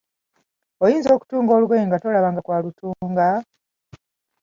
Oyinza okutunga olugoye nga tolabanga ku alutunga?